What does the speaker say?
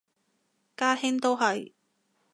家兄都係